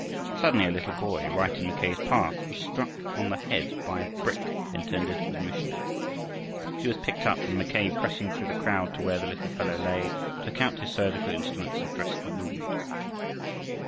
Suddenly a little boy right in Mackay's path was struck on the head by a brick intended for the missionary. He was picked up, and Mackay, pressing through the crowd to where the little fellow lay, took out his surgical instruments and dressed the wound.